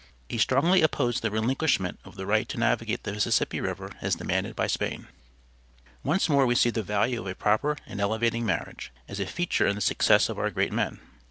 He strongly opposed the relinquishment of the right to navigate the Mississippi river as demanded by Spain. Once more we see the value of a proper and elevating marriage, as a feature in the success of our great men.